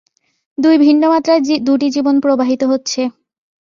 দুই ভিন্ন মাত্রায় দুটি জীবন প্রবাহিত হচ্ছে।